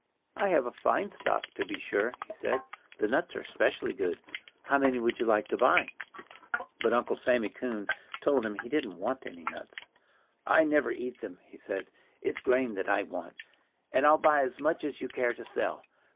"I have a fine stock, to be sure," he said. "The nuts are specially good. How many would you like to buy?" But Uncle Sammy Coon told him he didn't want any nuts. "I never eat them," he said. "It's grain that I want. And I'll buy as much as you care to sell....